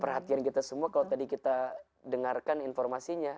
perhatian kita semua kalau tadi kita dengarkan informasinya